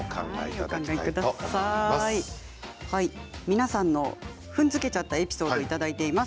皆さんの踏んづけちゃったエピソードをいただいています。